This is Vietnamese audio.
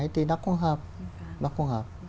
thì nó không hợp